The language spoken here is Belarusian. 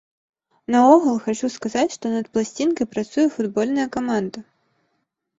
Наогул, хачу сказаць, што над пласцінкай працуе футбольная каманда!